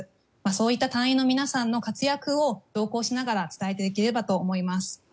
そういった隊員の皆さんの活躍を同行しながら伝えていければと思います。